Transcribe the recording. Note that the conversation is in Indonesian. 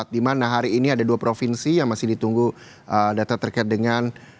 di mana hari ini ada dua provinsi yang masih ditunggu data terkait dengan